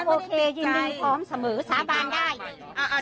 โอเคยินดีพร้อมเสมอสาบานได้